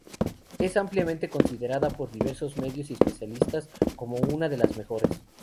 Es ampliamente considerada por diversos medios y especialistas como una de las mejores.